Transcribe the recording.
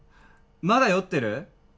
まだ酔ってる？